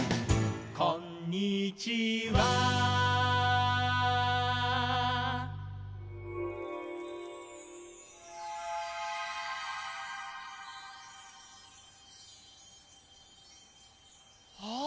「こんにちは」ああ！